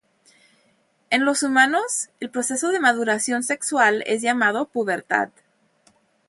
En los humanos, el proceso de maduración sexual es llamado pubertad.